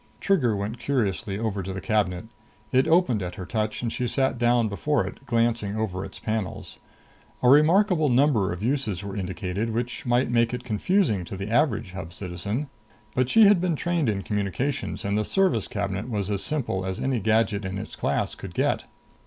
Trigger went curiously over to the cabinet. It opened at her touch and she sat down before it, glancing over its panels. A remarkable number of uses were indicated, which might make it confusing to the average Hub citizen. But she had been trained in communications, and the service cabinet was as simple as any gadget in its class could get.